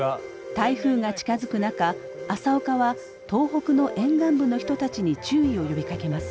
台風が近づく中朝岡は東北の沿岸部の人たちに注意を呼びかけます。